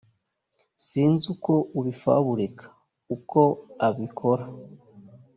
sinzi uko ubifaburika (uko ubikora)'